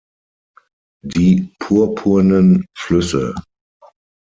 Die purpurnen Flüsse.